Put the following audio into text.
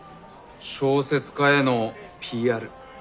小説家へのＰＲ。